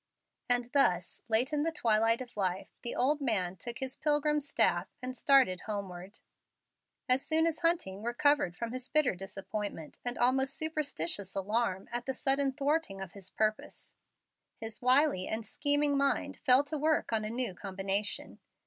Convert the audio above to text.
And thus late in the twilight of life the old man took his pilgrim's staff and started homeward. As soon as Hunting recovered from his bitter disappointment and almost superstitious alarm at the sudden thwarting of his purpose, his wily and scheming mind fell to work on a new combination.